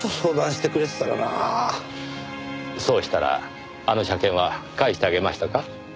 そうしたらあの車券は返してあげましたか？